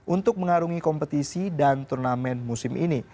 untuk mengarungi kompetisi dan turnamen musim ini